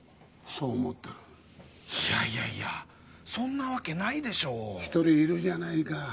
そう思ってるいやいやいやそんなわけないでしょ一人いるじゃないか